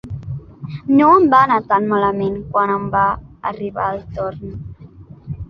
No em va anar tan malament quan em va arribar el torn.